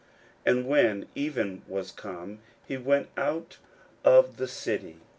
41:011:019 And when even was come, he went out of the city.